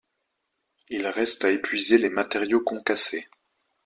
Il reste à épuiser les matériaux concassés.